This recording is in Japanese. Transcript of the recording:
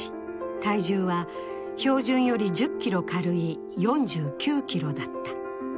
体重は標準より１０ｋｇ軽い４９ｋｇだった。